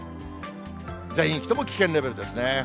全域とも危険レベルですね。